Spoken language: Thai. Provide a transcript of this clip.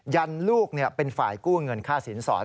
ยันลูกเป็นฝ่ายกู้เงินค่าสินสอด